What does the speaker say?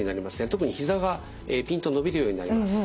特にひざがピンと伸びるようになります。